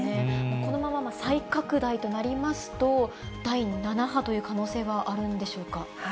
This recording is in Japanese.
このまま再拡大となりますと、第７波という可能性はあるんでしょうか。